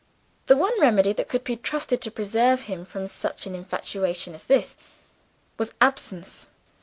The one remedy that could be trusted to preserve him from such infatuation as this, was absence.